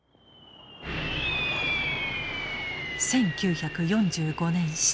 １９４５年７月。